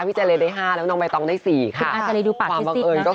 พี่เจเรนได้ห้าแล้วน้องมายต้องได้สี่ค่ะคุณอาจารย์ดูปากที่สิ้นนะ